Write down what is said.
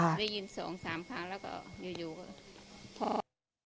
ได้ยิน๒๓ครั้งแล้วก็อยู่ก็พอ